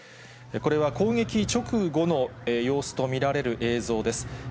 これは攻撃直後の様子と見られる映像です。